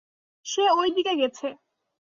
সে ঐ দিকে গেছে।